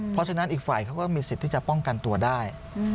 เพราะฉะนั้นอีกฝ่ายเขาก็มีสิทธิ์ที่จะป้องกันตัวได้